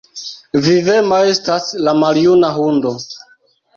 Vivema estas la maljuna hundo!